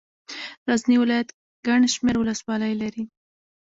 غزني ولايت ګڼ شمېر ولسوالۍ لري.